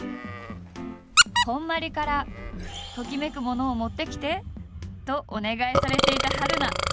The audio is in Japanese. こんまりから「ときめく物」を持ってきてとお願いされていた春菜。